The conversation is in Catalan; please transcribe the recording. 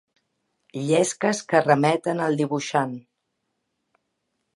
Llesques que remeten al dibuixant.